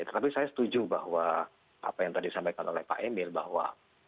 tetapi saya setuju bahwa apa yang tadi disampaikan oleh pak emil bahwa